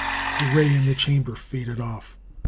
The ray in the chamber faded off.